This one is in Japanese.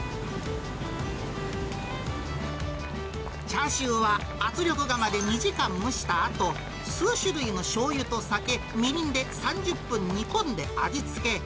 チャーシューは圧力釜で２時間蒸したあと、数種類のしょうゆと酒、みりんで３０分煮込んで味付け。